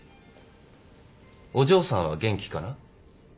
お嬢さんは元気かな？